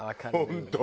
本当。